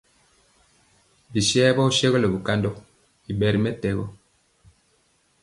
Bisayɛ ɓɔ sɛgɔlɔ bikandɔ i ɓɛ ri mɛtɛgɔ.